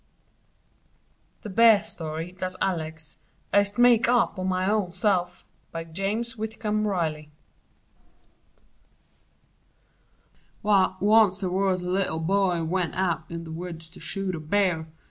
THE BEAR STORY THAT ALEX "IST MAKED UP HIS OWN SE'F" BY JAMES WHITCOMB RILEY W'y, wunst they wuz a Little Boy went out In the woods to shoot a Bear.